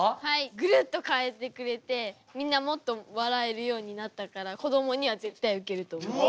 グルッと変えてくれてみんなもっと笑えるようになったからこどもには絶対ウケると思います。